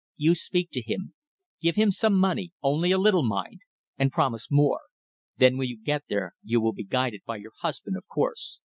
You speak to him. Give him some money; only a little, mind! And promise more. Then when you get there you will be guided by your husband, of course.